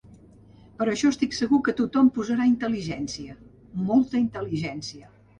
Per això estic segur que tothom posarà intel·ligència, molta intel·ligència.